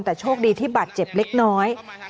แต่โชคดีที่บาดเจ็บเล็กน้อย